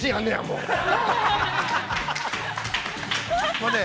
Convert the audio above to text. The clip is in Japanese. ◆もうね。